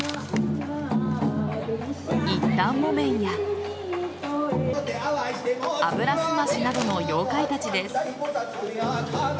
一反木綿や油すましなどの妖怪たちです。